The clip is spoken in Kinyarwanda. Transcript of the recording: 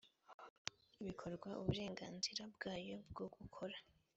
bikorwa uburenganzira bwayo bwo gukora